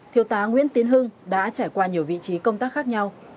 thiếu tá nguyễn tiến hưng đã trải qua nhiều vị trí công tác khác nhau